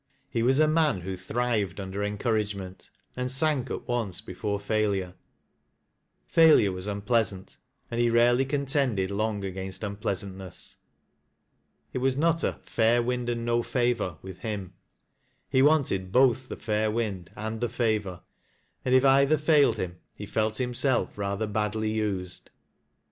He was a man who thrived under encouragement, and sank at once before failure ; failure was unpleasant, and he rarely contended long against unpleasantness ; it was not a " fair wind and no favor " with him, he wanted both the fair wind and the favor, and if either failed him he felt himself rather badly used.